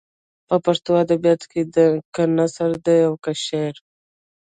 په پښتو ادبیاتو کې که نثر دی او که شعر.